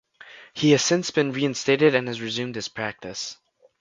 He has since been reinstated and has resumed his practice.